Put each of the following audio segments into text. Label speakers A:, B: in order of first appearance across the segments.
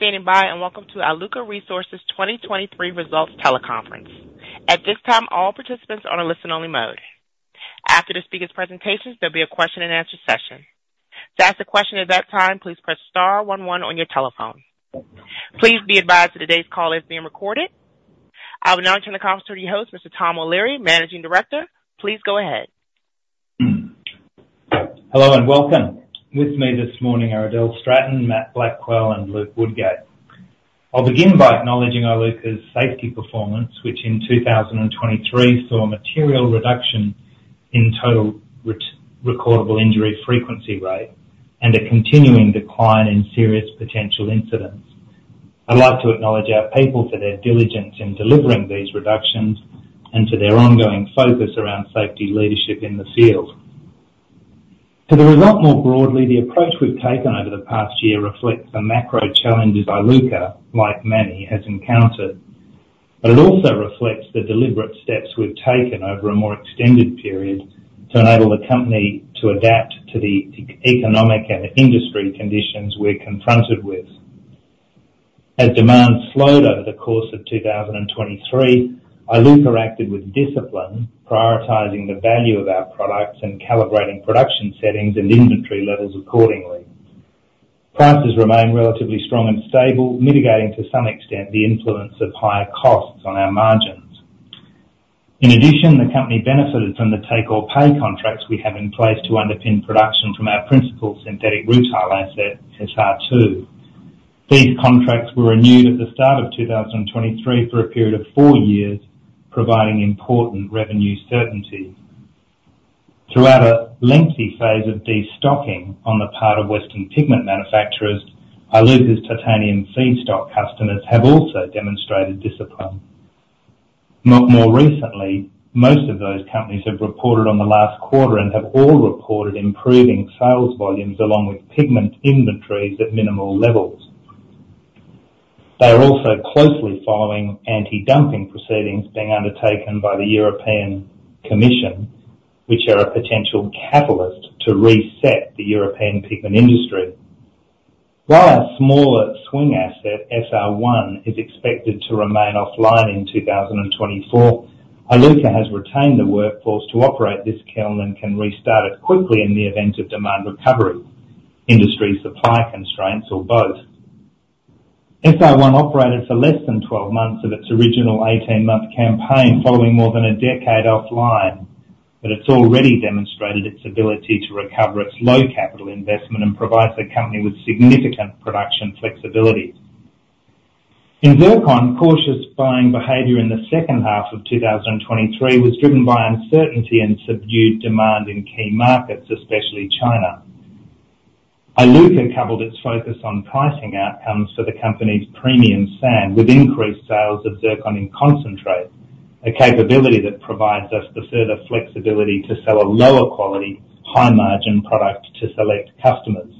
A: Thank you for standing by and welcome to Iluka Resources 2023 Results Teleconference. At this time, all participants are on a listen-only mode. After the speakers' presentations, there'll be a question-and-answer session. To ask a question at that time, please press star one, one on your telephone. Please be advised that today's call is being recorded. I will now turn the conference over to your host, Mr. Tom O'Leary, Managing Director. Please go ahead.
B: Hello and welcome. With me this morning are Adele Stratton, Matt Blackwell, and Luke Woodgate. I'll begin by acknowledging Iluka's safety performance, which in 2023 saw a material reduction in total recordable injury frequency rate and a continuing decline in serious potential incidents. I'd like to acknowledge our people for their diligence in delivering these reductions and for their ongoing focus around safety leadership in the field. To the result more broadly, the approach we've taken over the past year reflects the macro challenges Iluka, like many, has encountered, but it also reflects the deliberate steps we've taken over a more extended period to enable the company to adapt to the economic and industry conditions we're confronted with. As demand slowed over the course of 2023, Iluka acted with discipline, prioritizing the value of our products and calibrating production settings and inventory levels accordingly. Prices remain relatively strong and stable, mitigating to some extent the influence of higher costs on our margins. In addition, the company benefited from the take-or-pay contracts we have in place to underpin production from our principal synthetic rutile asset, SR2. These contracts were renewed at the start of 2023 for a period of four years, providing important revenue certainty. Throughout a lengthy phase of destocking on the part of Western pigment manufacturers, Iluka's titanium feedstock customers have also demonstrated discipline. More recently, most of those companies have reported on the last quarter and have all reported improving sales volumes along with pigment inventories at minimal levels. They are also closely following anti-dumping proceedings being undertaken by the European Commission, which are a potential catalyst to reset the European pigment industry. While our smaller swing asset, SR1, is expected to remain offline in 2024, Iluka has retained the workforce to operate this kiln and can restart it quickly in the event of demand recovery, industry supply constraints, or both. SR1 operated for less than 12 months of its original 18-month campaign, following more than a decade offline, but it's already demonstrated its ability to recover its low capital investment and provide the company with significant production flexibility. In zircon, cautious buying behavior in the second half of 2023 was driven by uncertainty and subdued demand in key markets, especially China. Iluka coupled its focus on pricing outcomes for the company's premium sand with increased sales of Zircon in Concentrate, a capability that provides us the further flexibility to sell a lower-quality, high-margin product to select customers.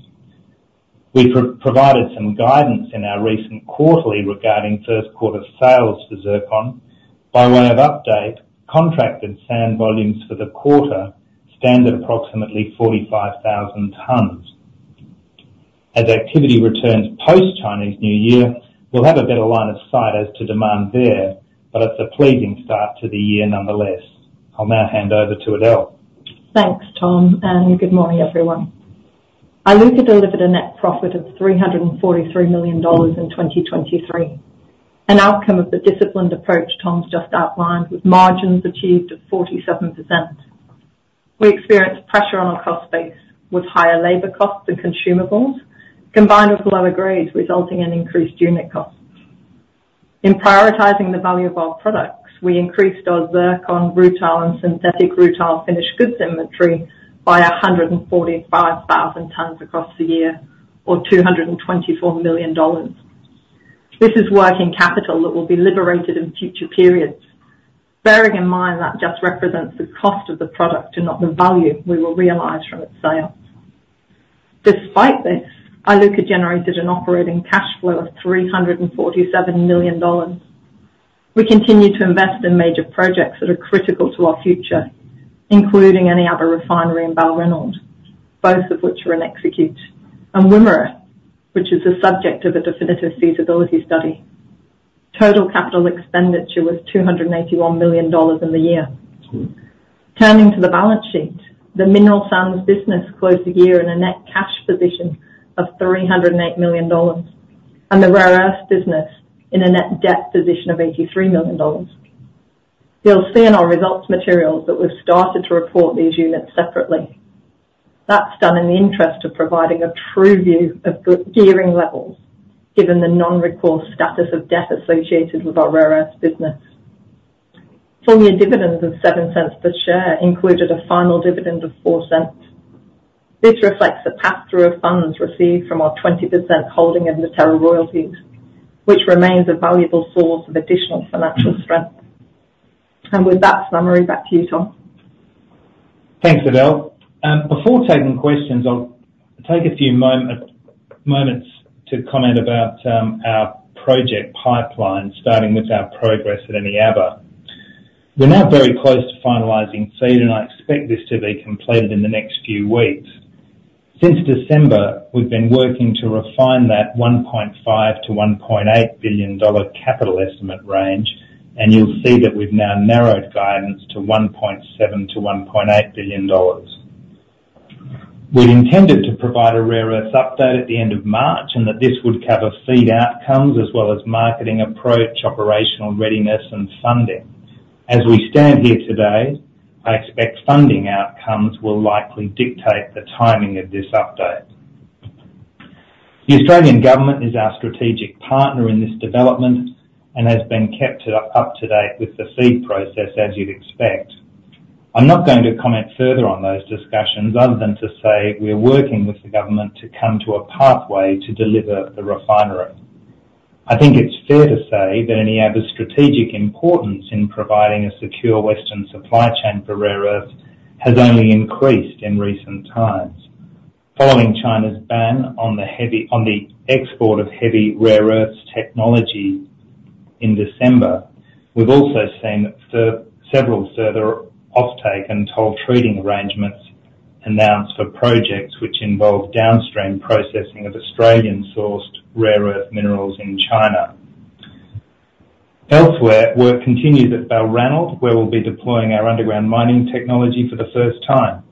B: We provided some guidance in our recent quarterly regarding first-quarter sales for Zircon. By way of update, contracted sand volumes for the quarter stand at approximately 45,000 tons. As activity returns post-Chinese New Year, we'll have a better line of sight as to demand there, but it's a pleasing start to the year nonetheless. I'll now hand over to Adele.
C: Thanks, Tom, and good morning, everyone. Iluka delivered a net profit of 343 million dollars in 2023. An outcome of the disciplined approach Tom's just outlined was margins achieved at 47%. We experienced pressure on our cost base with higher labor costs and consumables, combined with lower grades, resulting in increased unit costs. In prioritizing the value of our products, we increased our zircon, rutile and synthetic rutile finished goods inventory by 145,000 tons across the year, or 224 million dollars. This is working capital that will be liberated in future periods, bearing in mind that just represents the cost of the product and not the value we will realize from its sales. Despite this, Iluka generated an operating cash flow of 347 million dollars. We continue to invest in major projects that are critical to our future, including Eneabba refinery and Balranald, both of which are in execution, and Wimmera, which is the subject of a definitive feasibility study. Total capital expenditure was 281 million dollars in the year. Turning to the balance sheet, the mineral sands business closed the year in a net cash position of 308 million dollars and the rare earth business in a net debt position of 83 million dollars. You'll see in our results materials that we've started to report these units separately. That's done in the interest of providing a true view of good gearing levels, given the non-recourse status of debt associated with our rare earth business. Full-year dividends of 0.07 per share included a final dividend of 0.04. This reflects a pass-through of funds received from our 20% holding of Deterra Royalties, which remains a valuable source of additional financial strength. With that summary, back to you, Tom.
B: Thanks, Adele. Before taking questions, I'll take a few moments to comment about our project pipeline, starting with our progress at Eneabba. We're now very close to finalizing feed, and I expect this to be completed in the next few weeks. Since December, we've been working to refine that 1.5 billion dollar-AUD1.8 billion capital estimate range, and you'll see that we've now narrowed guidance to 1.7 billion-1.8 billion dollars. We'd intended to provide a rare earth update at the end of March and that this would cover feed outcomes as well as marketing approach, operational readiness, and funding. As we stand here today, I expect funding outcomes will likely dictate the timing of this update. The Australian government is our strategic partner in this development and has been kept up-to-date with the feed process, as you'd expect. I'm not going to comment further on those discussions other than to say we're working with the government to come to a pathway to deliver the refinery. I think it's fair to say that Eneabba's strategic importance in providing a secure Western supply chain for rare earth has only increased in recent times. Following China's ban on the export of heavy rare earths technology in December, we've also seen several further offtake and toll-treating arrangements announced for projects which involve downstream processing of Australian-sourced rare earth minerals in China. Elsewhere, work continues at Balranald, where we'll be deploying our underground mining technology for the first time.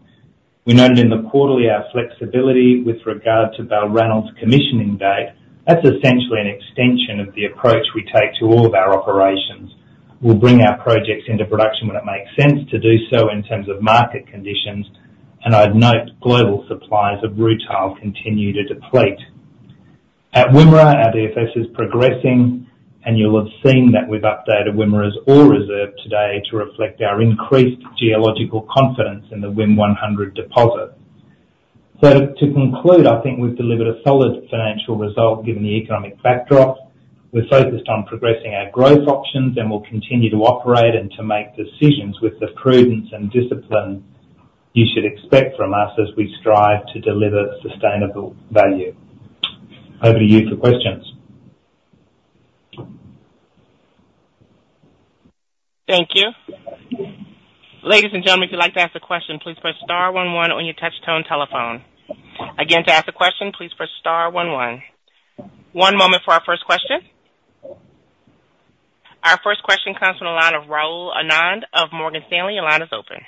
B: We noted in the quarterly our flexibility with regard to Balranald's commissioning date. That's essentially an extension of the approach we take to all of our operations. We'll bring our projects into production when it makes sense to do so in terms of market conditions, and I'd note global supplies of rutile continue to deplete. At Wimmera, our DFS is progressing, and you'll have seen that we've updated Wimmera's Ore Reserve today to reflect our increased geological confidence in the WIM 100 deposit. So to conclude, I think we've delivered a solid financial result given the economic backdrop. We're focused on progressing our growth options, and we'll continue to operate and to make decisions with the prudence and discipline you should expect from us as we strive to deliver sustainable value. Over to you for questions.
A: Thank you. Ladies and gentlemen, if you'd like to ask a question, please press star one, one on your touch tone telephone. Again, to ask a question, please press star one, one. One moment for our first question. Our first question comes from the line of Rahul Anand of Morgan Stanley. Your line is open.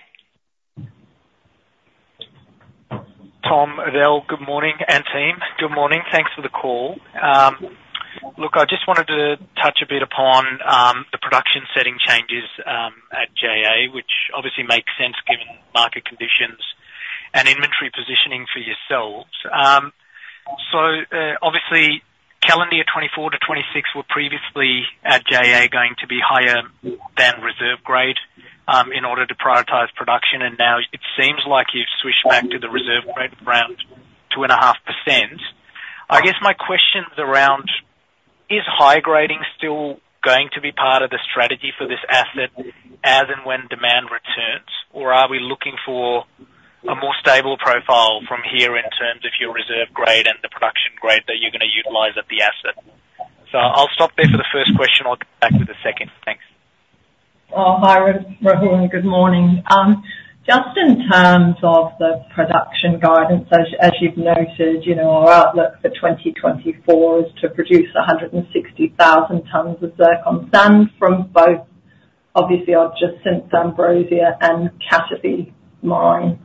D: Tom, Adele, good morning, and team. Good morning. Thanks for the call. Look, I just wanted to touch a bit upon the production setting changes at JA, which obviously makes sense given market conditions and inventory positioning for yourselves. So, obviously, calendar year 2024-2026 were previously at JA going to be higher than reserve grade, in order to prioritize production, and now it seems like you've switched back to the reserve grade of around 2.5%. I guess my question's around, is high grading still going to be part of the strategy for this asset as and when demand returns, or are we looking for a more stable profile from here in terms of your reserve grade and the production grade that you're gonna utilize at the asset? So I'll stop there for the first question. I'll come back with the second. Thanks.
C: Oh, hi Rahul and good morning. Just in terms of the production guidance, as you've noted, you know, our outlook for 2024 is to produce 160,000 tons of zircon sand from both, obviously, our Jacinth-Ambrosia and Cataby mine.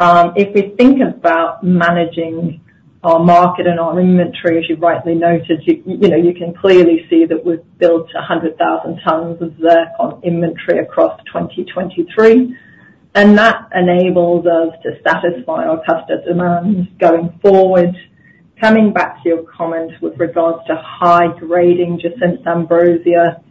C: If we think about managing our market and our inventory, as you rightly noted, you know, you can clearly see that we've built 100,000 tons of zircon inventory across 2023, and that enables us to satisfy our customer demands going forward. Coming back to your comment with regards to high grading Jacinth-Ambrosia,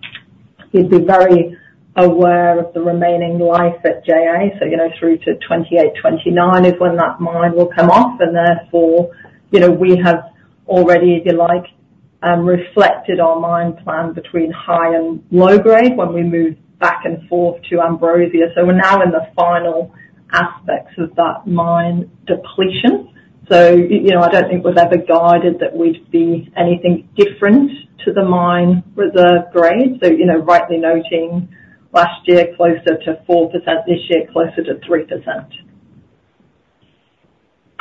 C: you'd be very aware of the remaining life at JA. So, you know, through to 2028, 2029 is when that mine will come off, and therefore, you know, we have already, if you like, reflected our mine plan between high and low grade when we move back and forth to Ambrosia. So we're now in the final aspects of that mine depletion. So, you know, I don't think we've ever guided that we'd be anything different to the mine reserve grade. So, you know, rightly noting last year closer to 4%, this year closer to 3%.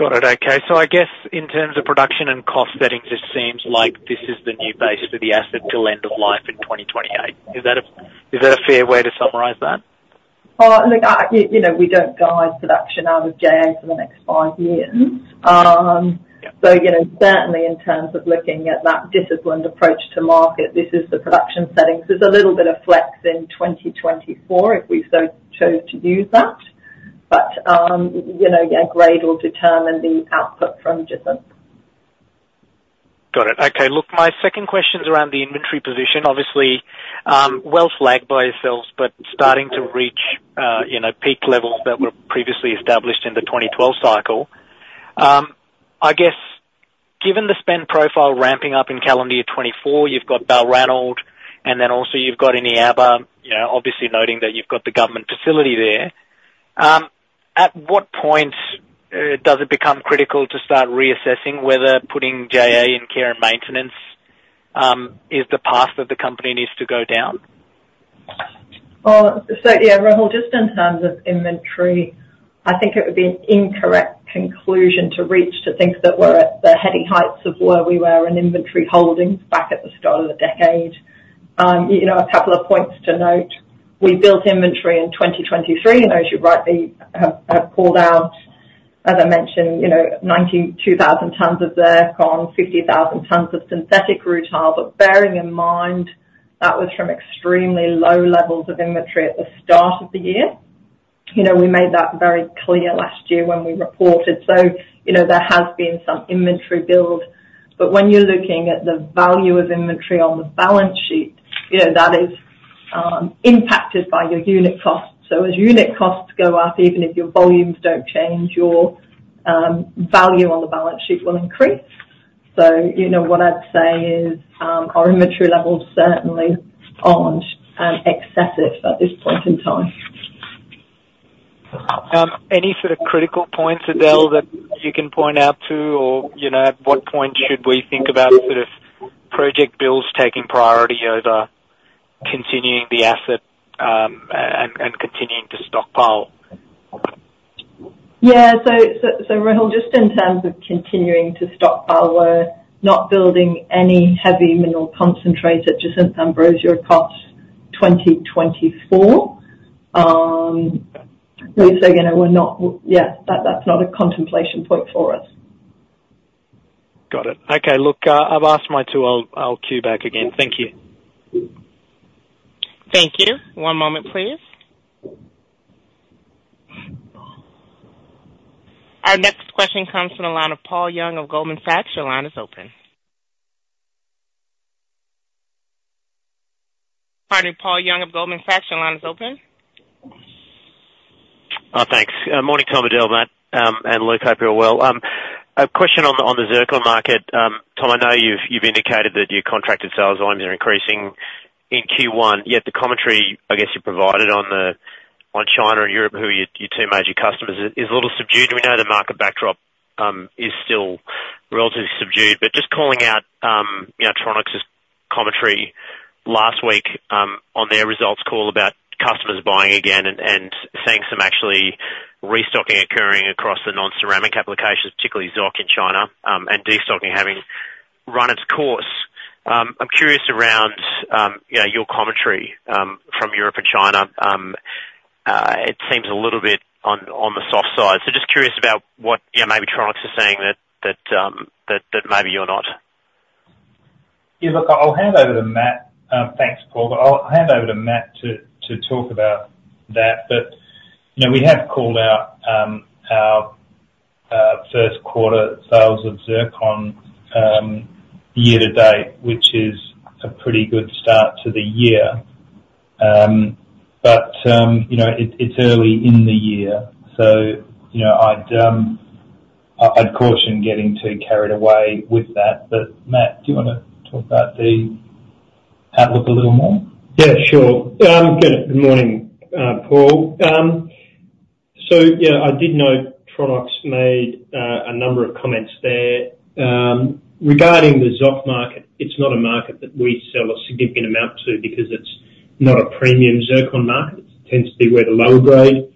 D: Got it. Okay. So I guess in terms of production and cost setting, this seems like this is the new base for the asset till end of life in 2028. Is that a fair way to summarize that?
C: Oh, look, I, you know, we don't guide production out of JA for the next five years. Yeah. So, you know, certainly in terms of looking at that disciplined approach to market, this is the production settings. There's a little bit of flex in 2024 if we so chose to use that, but, you know, yeah, grade will determine the output from Jacinth.
D: Got it. Okay. Look, my second question's around the inventory position. Obviously, Mm-hmm. We'll lag by yourselves, but starting to reach, you know, peak levels that were previously established in the 2012 cycle. I guess given the spend profile ramping up in calendar year 2024, you've got Balranald, and then also you've got Eneabba, you know, obviously noting that you've got the government facility there. At what point, does it become critical to start reassessing whether putting JA in care and maintenance, is the path that the company needs to go down?
C: Well, so yeah, Rahul, just in terms of inventory, I think it would be an incorrect conclusion to reach to think that we're at the heading heights of where we were in inventory holdings back at the start of the decade. You know, a couple of points to note. We built inventory in 2023, and as you rightly have called out, as I mentioned, you know, 92,000 tons of zircon, 50,000 tons of synthetic rutile, but bearing in mind that was from extremely low levels of inventory at the start of the year. You know, we made that very clear last year when we reported. So, you know, there has been some inventory build, but when you're looking at the value of inventory on the balance sheet, you know, that is impacted by your unit costs. So as unit costs go up, even if your volumes don't change, your value on the balance sheet will increase. So, you know, what I'd say is, our inventory levels certainly aren't excessive at this point in time.
D: Any sort of critical points, Adele, that you can point out to, or, you know, at what point should we think about sort of project bills taking priority over continuing the asset, and continuing to stockpile?
C: Yeah. So, Rahul, just in terms of continuing to stockpile, we're not building any heavy mineral concentrate just at Jacinth-Ambrosia costs 2024. Mm-mmm. So again, we're not. Yeah, that's not a contemplation point for us.
D: Got it. Okay. Look, I've asked my two. I'll cue back again. Thank you.
A: Thank you. One moment, please. Our next question comes from the line of Paul Young of Goldman Sachs. Your line is open. Pardon me. Paul Young of Goldman Sachs. Your line is open.
E: Oh, thanks. Morning, Tom, Adele, Matt, and Luke. Hope you're all well. A question on the zircon market. Tom, I know you've indicated that your contracted sales volumes are increasing in Q1, yet the commentary, I guess, you provided on China and Europe, who are your two major customers, is a little subdued. We know the market backdrop is still relatively subdued, but just calling out, you know, Tronox's commentary last week, on their results call about customers buying again and seeing some actually restocking occurring across the non-ceramic applications, particularly ZOC in China, and destocking having run its course. I'm curious around, you know, your commentary from Europe and China. It seems a little bit on the soft side. So just curious about what, you know, maybe Tronox is saying that maybe you're not.
B: Yeah. Look, I'll hand over to Matt. Thanks, Paul. But I'll hand over to Matt to talk about that. But, you know, we have called out our first quarter sales of zircon year to date, which is a pretty good start to the year. But, you know, it's early in the year, so, you know, I'd caution getting too carried away with that. But Matt, do you wanna talk about the outlook a little more?
F: Yeah. Sure. Good morning, Paul. So yeah, I did note Tronox made a number of comments there regarding the ZOC market. It's not a market that we sell a significant amount to because it's not a premium zircon market. It tends to be where the lower-grade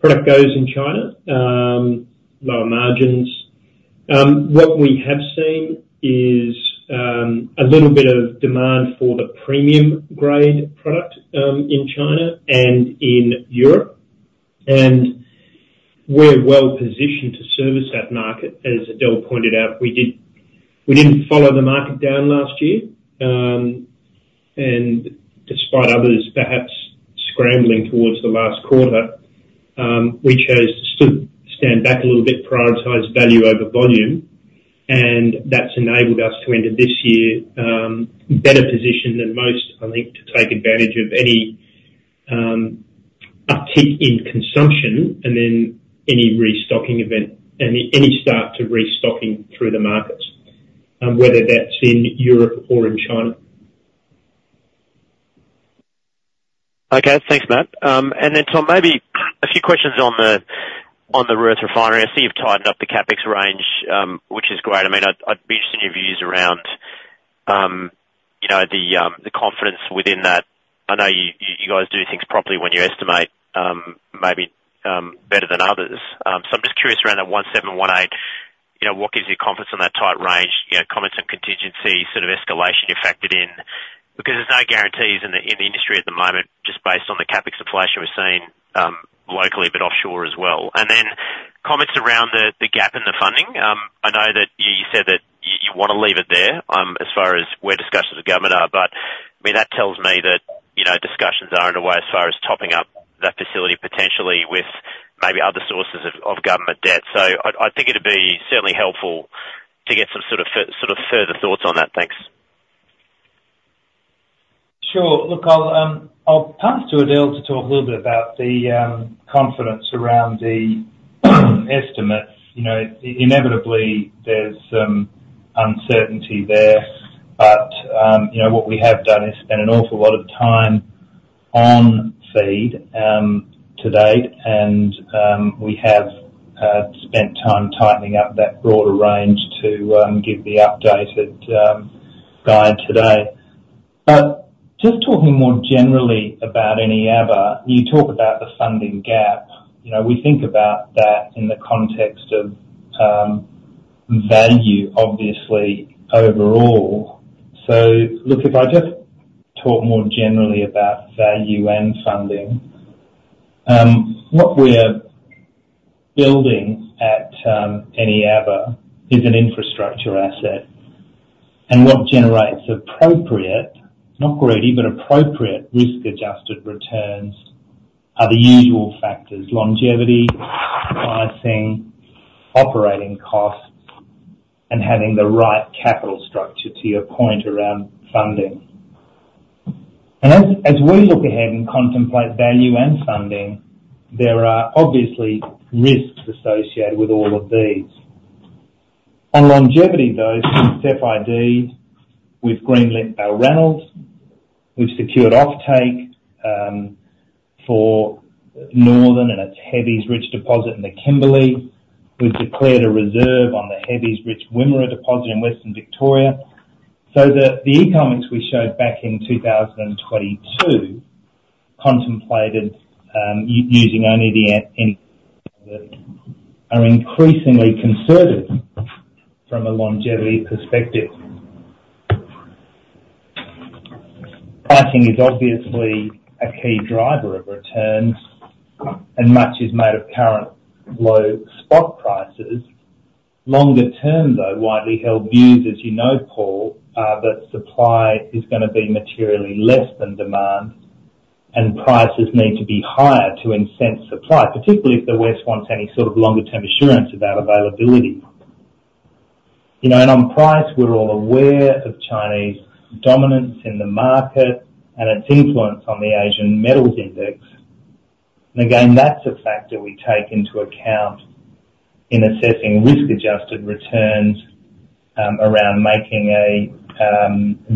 F: product goes in China, lower margins. What we have seen is a little bit of demand for the premium-grade product in China and in Europe. And we're well-positioned to service that market. As Adele pointed out, we didn't follow the market down last year. Despite others perhaps scrambling towards the last quarter, we chose to stand back a little bit, prioritize value over volume, and that's enabled us to end of this year better positioned than most, I think, to take advantage of any uptick in consumption and then any restocking event, any start to restocking through the markets, whether that's in Europe or in China.
E: Okay. Thanks, Matt. Then, Tom, maybe a few questions on the rare earth refinery. I see you've tightened up the CapEx range, which is great. I mean, I'd be interested in your views around, you know, the confidence within that. I know you guys do things properly when you estimate, maybe better than others. So I'm just curious around that AUD1.7-AUD1.8, you know, what gives you confidence on that tight range, you know, comments on contingency sort of escalation you're factored in? Because there's no guarantees in the industry at the moment just based on the CapEx inflation we're seeing, locally but offshore as well. And then comments around the gap in the funding. I know that you said that you wanna leave it there, as far as where discussions with government are, but, I mean, that tells me that, you know, discussions are underway as far as topping up that facility potentially with maybe other sources of government debt. So I think it'd be certainly helpful to get some sort of further thoughts on that. Thanks.
B: Sure. Look, I'll pass to Adele to talk a little bit about the confidence around the estimates. You know, inevitably, there's some uncertainty there, but you know, what we have done is spend an awful lot of time on feed to date, and we have spent time tightening up that broader range to give the updated guide today. But just talking more generally about Eneabba, you talk about the funding gap. You know, we think about that in the context of value, obviously, overall. So look, if I just talk more generally about value and funding, what we're building at Eneabba is an infrastructure asset. And what generates appropriate, not greedy, but appropriate risk-adjusted returns are the usual factors: longevity, pricing, operating costs, and having the right capital structure, to your point, around funding. As we look ahead and contemplate value and funding, there are obviously risks associated with all of these. On longevity, though, since FID we've greenlink Balranald, we've secured offtake for Northern and its heavies-rich deposit in the Kimberley. We've declared a reserve on the heavies-rich Wimmera deposit in Western Victoria. So the economics we showed back in 2022 contemplated using only any that are increasingly conservative from a longevity perspective. Pricing is obviously a key driver of returns, and much is made of current low spot prices. Longer term, though, widely held views, as you know, Paul, are that supply is gonna be materially less than demand, and prices need to be higher to incent supply, particularly if the West wants any sort of longer-term assurance about availability. You know, and on price, we're all aware of Chinese dominance in the market and its influence on the Asian Metals Index. And again, that's a factor we take into account in assessing risk-adjusted returns, around making a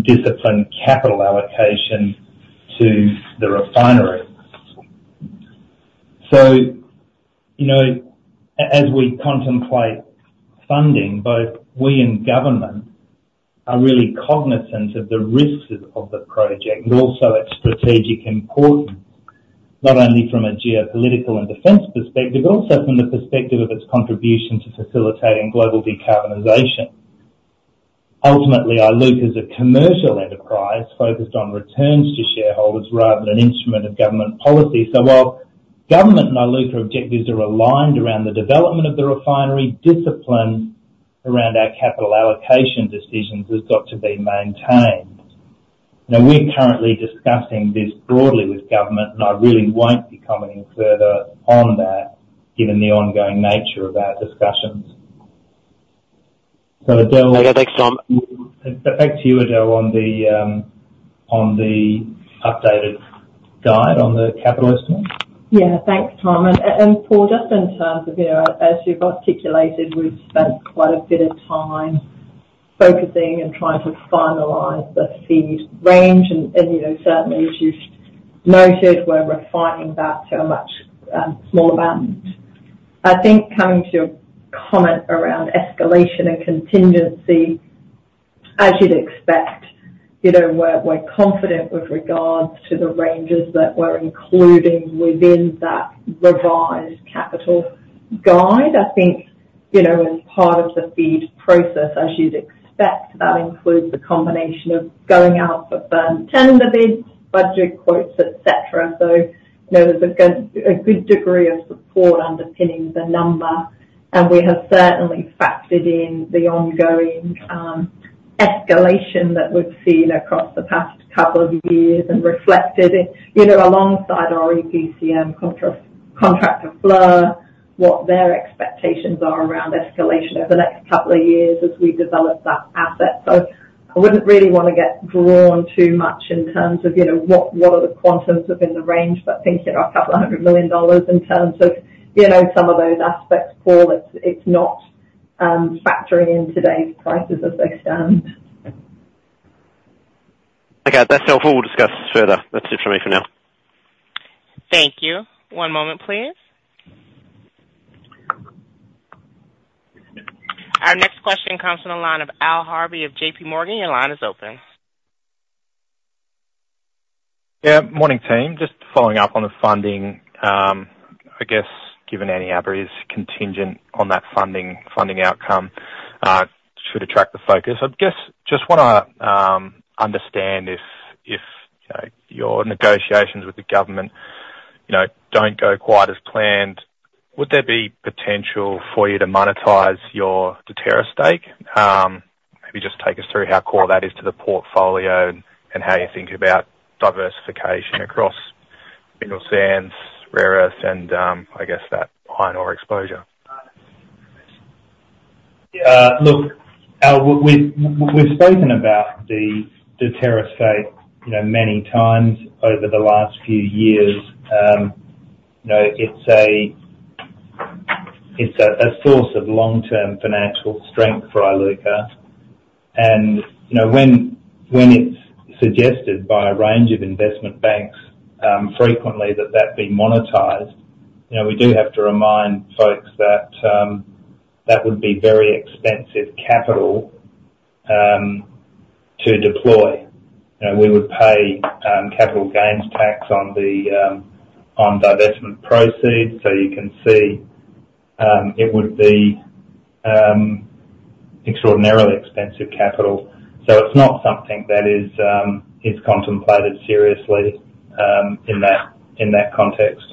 B: disciplined capital allocation to the refinery. So, you know, as we contemplate funding, both we and government are really cognizant of the risks of the project and also its strategic importance, not only from a geopolitical and defense perspective but also from the perspective of its contribution to facilitating global decarbonization. Ultimately, Iluka is a commercial enterprise focused on returns to shareholders rather than an instrument of government policy. So while government and Iluka objectives are aligned around the development of the refinery, discipline around our capital allocation decisions has got to be maintained. You know, we're currently discussing this broadly with government, and I really won't be commenting further on that given the ongoing nature of our discussions. So, Adele.
E: Okay. Thanks, Tom.
B: Back to you, Adele, on the updated guide on the capital estimate.
C: Yeah. Thanks, Tom. And, Paul, just in terms of, you know, as you've articulated, we've spent quite a bit of time focusing and trying to finalize the FEED range. And, you know, certainly, as you've noted, we're refining that to a much smaller amount. I think coming to your comment around escalation and contingency, as you'd expect, you know, we're confident with regards to the ranges that we're including within that revised capital guide. I think, you know, as part of the FEED process, as you'd expect, that includes the combination of going out for formal tender bids, budget quotes, etc. So, you know, there's a good degree of support underpinning the number, and we have certainly factored in the ongoing escalation that we've seen across the past couple of years and reflected it, you know, alongside EPCM contractor Fluor, what their expectations are around escalation over the next couple of years as we develop that asset. So I wouldn't really wanna get drawn too much in terms of, you know, what, what are the quantums within the range, but thinking of a couple of hundred million dollars in terms of, you know, some of those aspects, Paul. It's not factoring in today's prices as they stand.
E: Okay. That's all for discussed further. That's it from me for now.
A: Thank you. One moment, please. Our next question comes from the line of Al Harvey of JPMorgan. Your line is open.
G: Yeah. Morning, team. Just following up on the funding. I guess given Eneabba is contingent on that funding outcome, should attract the focus. I guess just wanna understand if, you know, your negotiations with the government, you know, don't go quite as planned, would there be potential for you to monetize your Deterra stake? Maybe just take us through how core that is to the portfolio and how you think about diversification across mineral sands, rare earths, and, I guess that iron ore exposure.
B: Look, Al, we've, we've spoken about the Deterra stake, you know, many times over the last few years. You know, it's a, a source of long-term financial strength for Iluka. And, you know, when it's suggested by a range of investment banks, frequently that that be monetized, you know, we do have to remind folks that, that would be very expensive capital, to deploy. We would pay, capital gains tax on the, on divestment proceeds. So you can see, it would be, extraordinarily expensive capital. So it's not something that is, is contemplated seriously, in that in that context.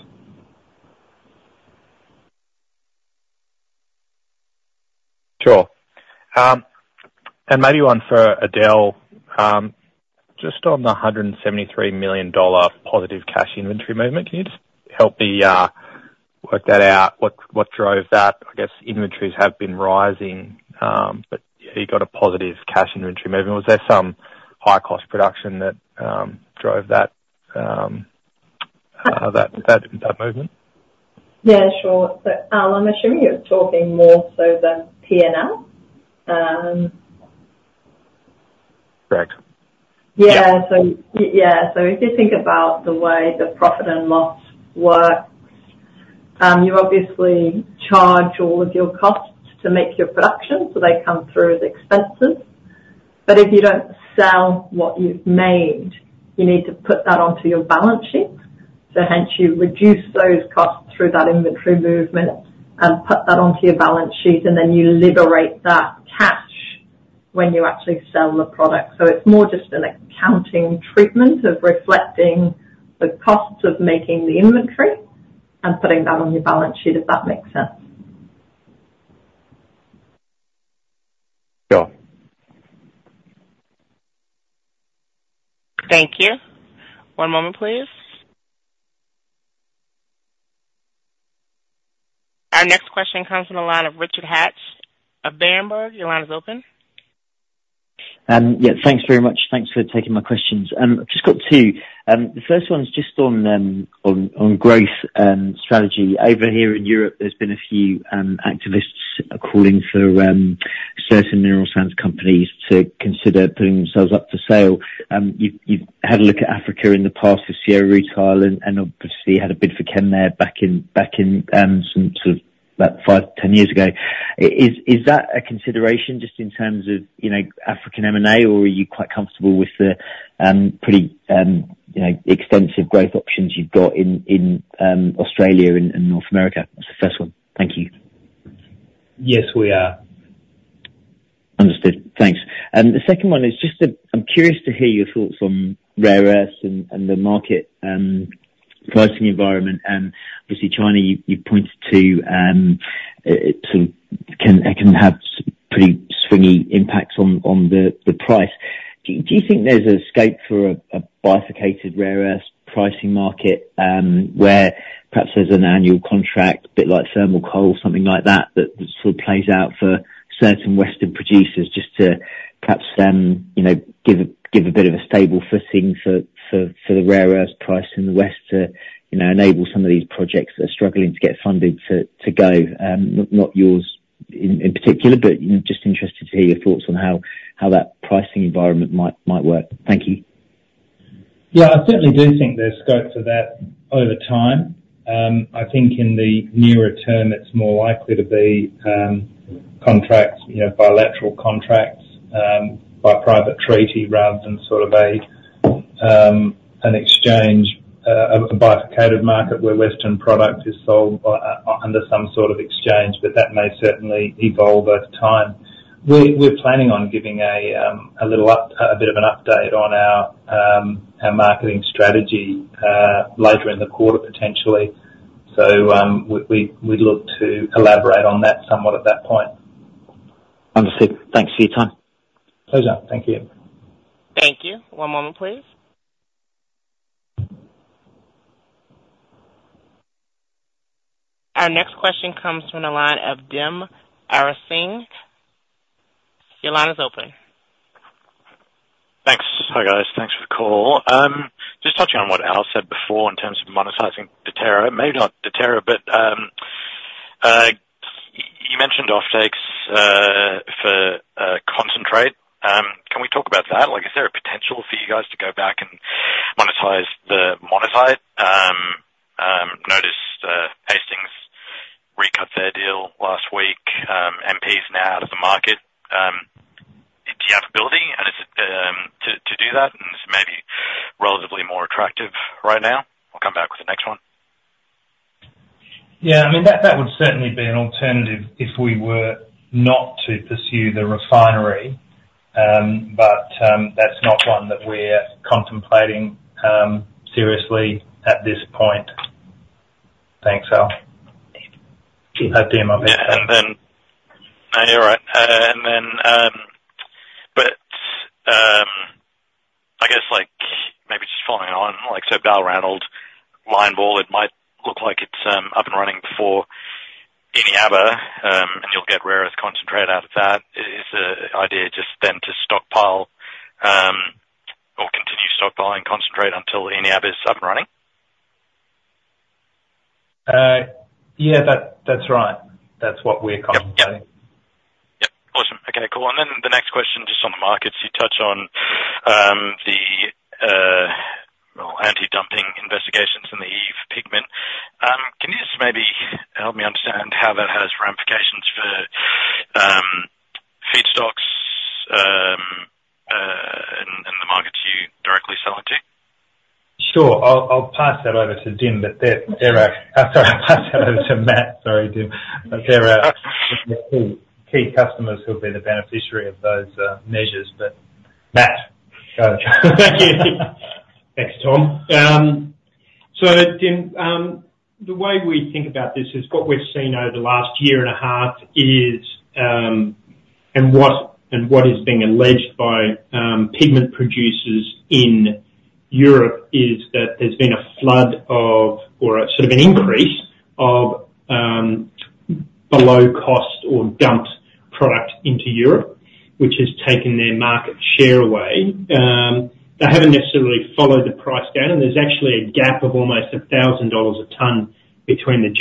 G: Sure. Maybe one for Adele. Just on the 173 million dollar positive cash inventory movement, can you just help me work that out? What drove that? I guess inventories have been rising, but yeah, you got a positive cash inventory movement. Was there some high-cost production that drove that movement?
C: Yeah. Sure. But, Al, I'm assuming you're talking more so than P&L?
G: Correct.
C: Yeah. So yeah. So if you think about the way the profit and loss works, you obviously charge all of your costs to make your production, so they come through as expenses. But if you don't sell what you've made, you need to put that onto your balance sheet. So hence, you reduce those costs through that inventory movement and put that onto your balance sheet, and then you liberate that cash when you actually sell the product. So it's more just an accounting treatment of reflecting the costs of making the inventory and putting that on your balance sheet, if that makes sense.
G: Sure.
A: Thank you. One moment, please. Our next question comes from the line of Richard Hatch of Berenberg. Your line is open.
H: Yeah. Thanks very much. Thanks for taking my questions. I've just got two. The first one's just on growth and strategy. Over here in Europe, there's been a few activists calling for certain mineral sands companies to consider putting themselves up for sale. You've had a look at Africa in the past with Sierra Rutile and obviously had a bid for Kenmare there back in some sort of about 5-10 years ago. Is that a consideration just in terms of, you know, African M&A, or are you quite comfortable with the pretty, you know, extensive growth options you've got in Australia and North America? That's the first one. Thank you.
B: Yes, we are.
H: Understood. Thanks. The second one is just—I'm curious to hear your thoughts on rare earths and the market pricing environment. Obviously, China, you pointed to, it sort of can have a pretty swingy impacts on the price. Do you think there's a scope for a bifurcated rare earths pricing market, where perhaps there's an annual contract, a bit like thermal coal, something like that, that sort of plays out for certain Western producers just to perhaps give them, you know, a bit of a stable footing for the rare earths price in the West to, you know, enable some of these projects that are struggling to get funded to go, not yours in particular, but, you know, just interested to hear your thoughts on how that pricing environment might work. Thank you.
B: Yeah. I certainly do think there's scope for that over time. I think in the nearer term, it's more likely to be contracts, you know, bilateral contracts, by private treaty rather than sort of an exchange, a bifurcated market where Western product is sold by under some sort of exchange, but that may certainly evolve over time. We're planning on giving a little bit of an update on our marketing strategy, later in the quarter, potentially. So, we'd look to elaborate on that somewhat at that point.
H: Understood. Thanks for your time.
B: Pleasure. Thank you.
A: Thank you. One moment, please. Our next question comes from the line of Dim Ariyasinghe. Your line is open.
I: Thanks. Hi, guys. Thanks for the call. Just touching on what Al said before in terms of monetizing Deterra, maybe not Deterra, but, you mentioned offtakes for concentrate. Can we talk about that? Like, is there a potential for you guys to go back and monetize the monazite? Noticed, Hastings recut their deal last week. MP's now out of the market. Do you have ability and is it to do that, and is it maybe relatively more attractive right now? I'll come back with the next one.
B: Yeah. I mean, that would certainly be an alternative if we were not to pursue the refinery, but that's not one that we're contemplating seriously at this point. Thanks, Al. Have Dim a bit.
I: Yeah. And then, no, you're right. And then, but I guess, like, maybe just following on, like, so Balranald line ball, it might look like it's up and running for Eneabba, and you'll get rare earths concentrate out of that. Is the idea just then to stockpile, or continue stockpiling concentrate until Eneabba's up and running?
B: Yeah. That, that's right. That's what we're contemplating.
I: Yep. Yep. Awesome. Okay. Cool. And then the next question just on the markets. You touched on the well anti-dumping investigations in the EU pigment. Can you just maybe help me understand how that has ramifications for feedstocks and the markets you directly sell into?
B: Sure. I'll pass that over to Dim, but they're a oh, sorry. I'll pass that over to Matt. Sorry, Dim. They're a key customers who'll be the beneficiary of those measures, but Matt. Go ahead. Thank you.
F: Thanks, Tom. So Dim, the way we think about this is what we've seen over the last year and a half is, and what and what is being alleged by pigment producers in Europe is that there's been a flood of or a sort of an increase of below-cost or dumped product into Europe, which has taken their market share away. They haven't necessarily followed the price down, and there's actually a gap of almost $1,000 a ton between the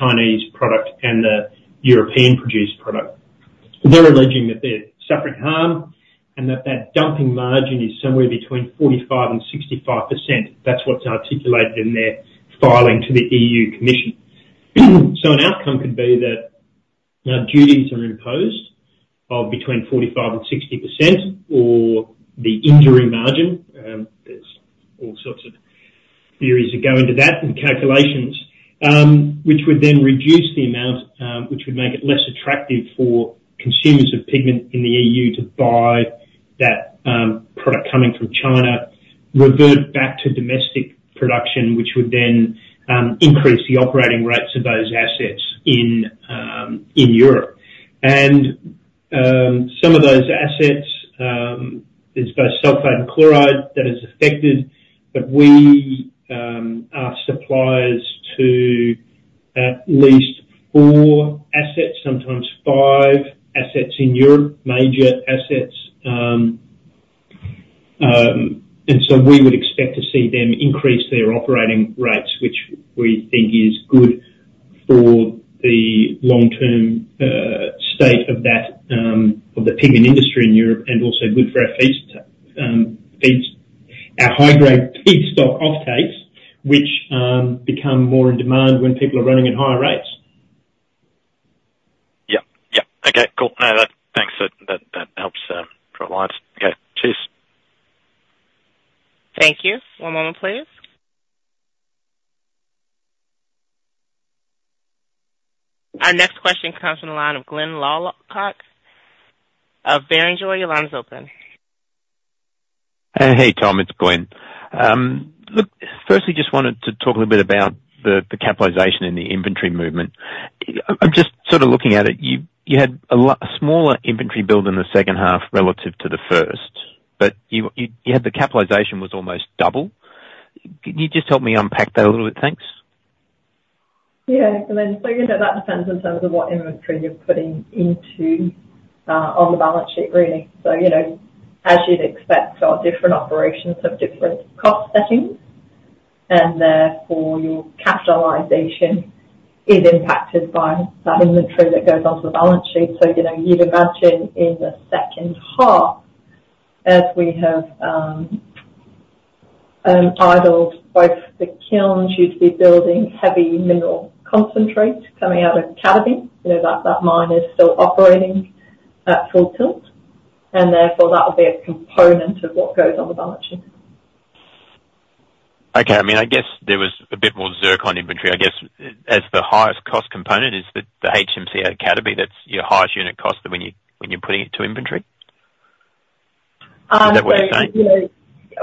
F: Chinese product and the European-produced product. They're alleging that they're suffering harm and that that dumping margin is somewhere between 45%-65%. That's what's articulated in their filing to the EU Commission. So an outcome could be that duties are imposed of between 45%-60% or the injury margin. There's all sorts of theories that go into that and calculations, which would then reduce the amount, which would make it less attractive for consumers of pigment in the EU to buy that product coming from China, revert back to domestic production, which would then increase the operating rates of those assets in Europe. Some of those assets, there's both sulfate and chloride that is affected, but we are suppliers to at least four assets, sometimes five assets in Europe, major assets. And so we would expect to see them increase their operating rates, which we think is good for the long-term state of that of the pigment industry in Europe and also good for our feedstocks, our high-grade feedstock offtakes, which become more in demand when people are running at higher rates.
I: Yep. Okay. Cool. No, thanks. That helps, provides. Okay. Cheers.
A: Thank you. One moment, please. Our next question comes from the line of Glyn Lawcock of Barrenjoey. Your line is open.
J: Hey, Tom. It's Glen. Look, firstly, just wanted to talk a little bit about the capitalization in the inventory movement. I'm just sort of looking at it. You had a lot a smaller inventory build in the second half relative to the first, but you had the capitalization was almost double. Can you just help me unpack that a little bit? Thanks.
C: Yeah, Glysn. So again, that depends in terms of what inventory you're putting into, on the balance sheet, really. So, you know, as you'd expect, so different operations have different cost settings, and therefore, your capitalization is impacted by that inventory that goes onto the balance sheet. So, you know, you'd imagine in the second half, as we have, idled both the kilns, you'd be building heavy mineral concentrate coming out of Cataby. You know, that, that mine is still operating at full tilt, and therefore, that would be a component of what goes on the balance sheet.
J: Okay. I mean, I guess there was a bit more zircon on inventory. I guess, as the highest cost component, is the HMC at Cataby that's your highest unit cost when you're putting it to inventory? Is that what you're saying?
C: You know,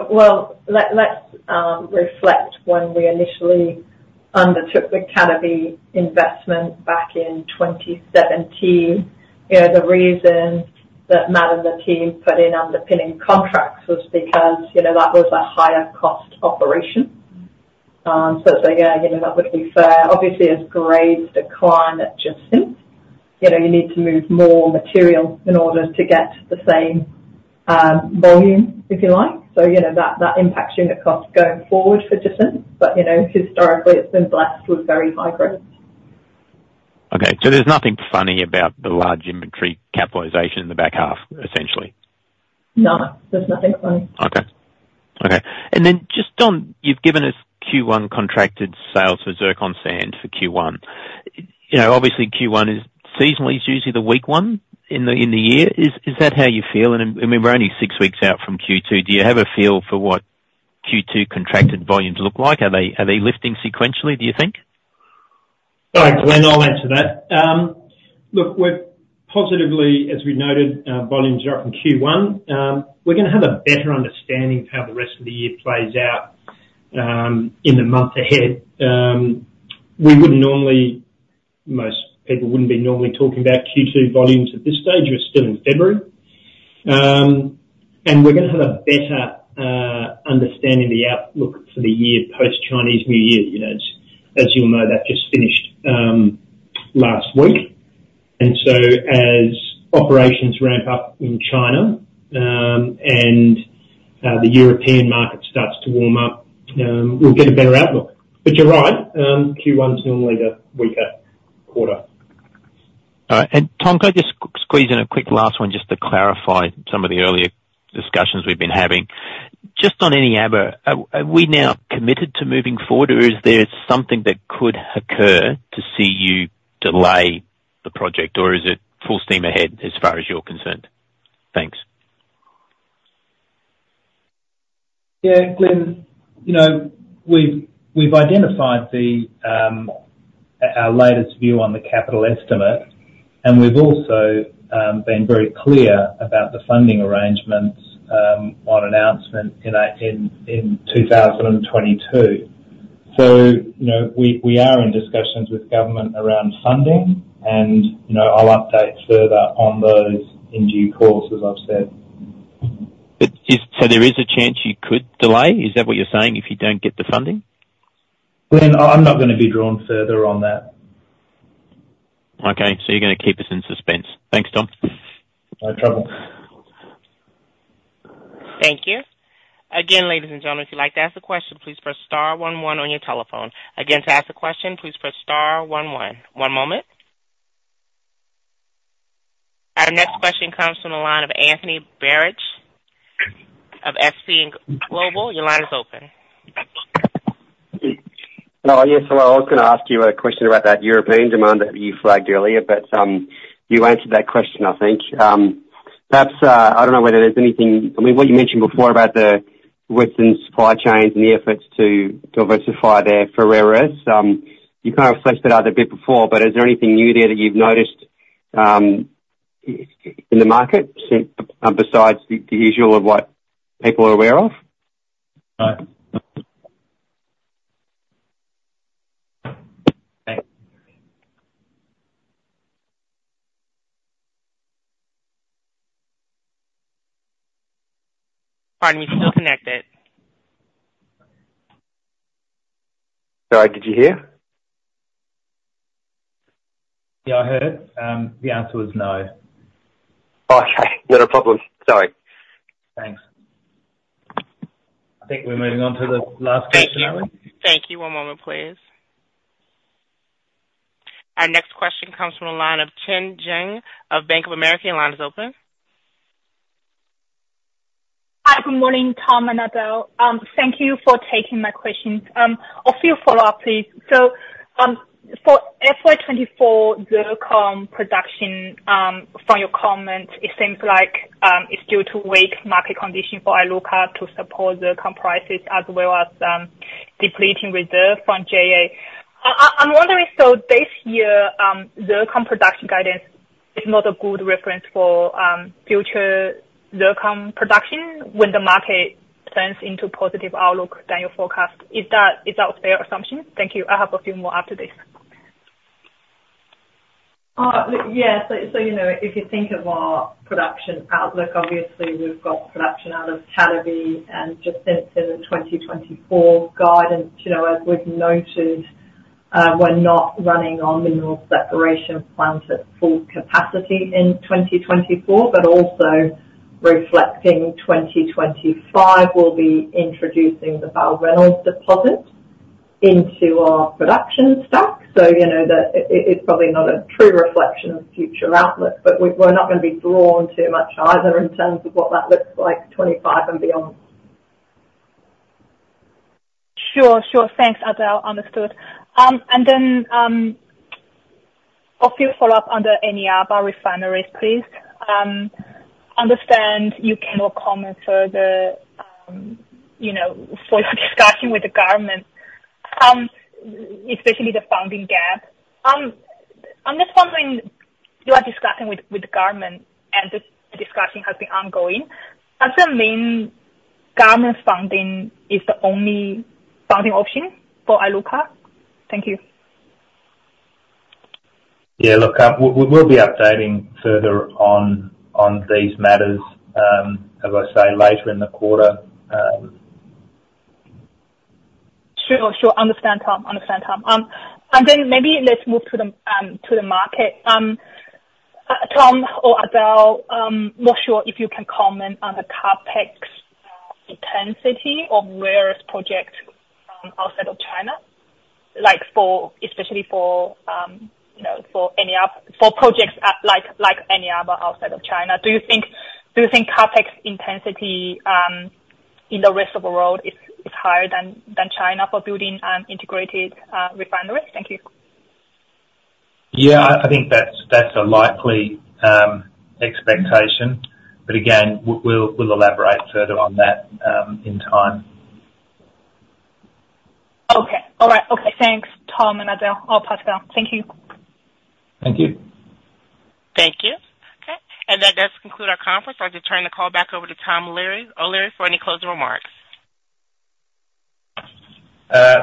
C: well, let's reflect when we initially undertook the Cataby investment back in 2017. You know, the reason that Matt and the team put in underpinning contracts was because, you know, that was a higher-cost operation. So it's like, yeah, you know, that would be fair. Obviously, as grades decline at Jacinth, you know, you need to move more material in order to get the same, volume, if you like. So, you know, that, that impacts unit cost going forward for Jacinth, but, you know, historically, it's been blessed with very high grades.
J: Okay. So there's nothing funny about the large inventory capitalization in the back half, essentially?
C: No. There's nothing funny.
J: Okay. Okay. And then just on, you've given us Q1 contracted sales for zircon sand for Q1. You know, obviously, Q1 is seasonally. It's usually the weak one in the year. Is that how you feel? And I mean, we're only six weeks out from Q2. Do you have a feel for what Q2 contracted volumes look like? Are they lifting sequentially, do you think?
F: All right, Glen. I'll answer that. Look, we're positively, as we noted, volumes are up in Q1. We're gonna have a better understanding of how the rest of the year plays out in the month ahead. We wouldn't normally most people wouldn't be normally talking about Q2 volumes at this stage. We're still in February. And we're gonna have a better understanding of the outlook for the year post-Chinese New Year. You know, as, as you'll know, that just finished last week. And so as operations ramp up in China, and the European market starts to warm up, we'll get a better outlook. But you're right. Q1's normally the weaker quarter.
J: All right. And, Tom, can I just squeeze in a quick last one just to clarify some of the earlier discussions we've been having? Just on Eneabba, are we now committed to moving forward, or is there something that could occur to see you delay the project, or is it full steam ahead as far as you're concerned? Thanks.
B: Yeah, Glen. You know, we've identified our latest view on the capital estimate, and we've also been very clear about the funding arrangements on announcement in 2022. So, you know, we are in discussions with government around funding, and, you know, I'll update further on those in due course, as I've said.
J: But is there a chance you could delay? Is that what you're saying if you don't get the funding?
B: Glen, I'm not gonna be drawn further on that.
J: Okay. So you're gonna keep us in suspense. Thanks, Tom.
B: No trouble.
A: Thank you. Again, ladies and gentlemen, if you'd like to ask a question, please press star one, one on your telephone. Again, to ask a question, please press star one, one. One moment. Our next question comes from the line of Anthony Barich of S&P Global. Your line is open.
K: Oh, yes. Hello. I was gonna ask you a question about that European demand that you flagged earlier, but you answered that question, I think. Perhaps, I don't know whether there's anything. I mean, what you mentioned before about the weakness in supply chains and the efforts to diversify there for rare earths, you kinda reflected on that a bit before, but is there anything new there that you've noticed in the market since, besides the usual of what people are aware of?
B: No.
A: Pardon me. Still connected.
K: Sorry. Did you hear?
B: Yeah, I heard. The answer was no.
K: Okay. Not a problem. Sorry.
B: Thanks. I think we're moving on to the last question, are we?
A: Thank you. Thank you. One moment, please. Our next question comes from the line of Chen Jiang of Bank of America. Your line is open.
L: Hi. Good morning, Tom and Adele. Thank you for taking my questions. I'll follow up, please. So, for FY2024, zircon production, from your comment, it seems like it's due to weak market condition for Iluka to support zircon prices as well as depleting reserve from JA. I'm wondering, so this year, zircon production guidance is not a good reference for future zircon production when the market turns into positive outlook than your forecast. Is that a fair assumption? Thank you. I have a few more after this.
C: Yeah. So, you know, if you think of our production outlook, obviously, we've got production out of Cataby and just since the 2024 guidance. You know, as we've noted, we're not running on mineral separation plant at full capacity in 2024, but also reflecting 2025, we'll be introducing the Balranald deposit into our production stack. So, you know, that it's probably not a true reflection of future outlook, but we're not gonna be drawn too much either in terms of what that looks like 2025 and beyond.
L: Sure. Sure. Thanks, Adele. Understood. And then, I'll follow up on Eneabba refineries, please. I understand you cannot comment further, you know, for your discussion with the government, especially the funding gap. I'm just wondering, you are discussing with, with the government, and the discussion has been ongoing. Does that mean government funding is the only funding option for Iluka? Thank you.
B: Yeah. Look, we'll be updating further on these matters, as I say, later in the quarter.
L: Sure. Understood, Tom. And then maybe let's move to the market. Tom or Adele, not sure if you can comment on the CapEx intensity of rare earths projects outside of China, like especially for, you know, for Eneabba for projects at like Eneabba outside of China. Do you think CapEx intensity in the rest of the world is higher than China for building integrated refineries? Thank you.
B: Yeah. I think that's a likely expectation. But again, we'll elaborate further on that, in time.
L: Okay. All right. Okay. Thanks, Tom and Adele or Pascal. Thank you.
B: Thank you.
A: Thank you. Okay. That does conclude our conference. I'll just turn the call back over to Tom O'Leary for any closing remarks.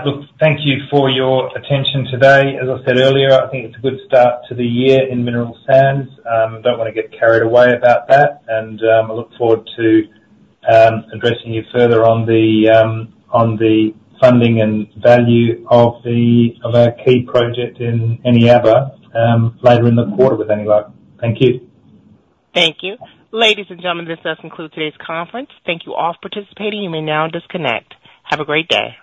B: Look, thank you for your attention today. As I said earlier, I think it's a good start to the year in mineral sands. Don't wanna get carried away about that. I look forward to addressing you further on the funding and value of our key project in Eneabba, later in the quarter with any luck. Thank you.
A: Thank you. Ladies and gentlemen, this does conclude today's conference. Thank you all for participating. You may now disconnect. Have a great day.